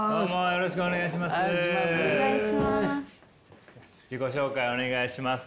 よろしくお願いします。